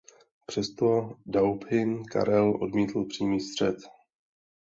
Přesto dauphin Karel odmítl přímý střet.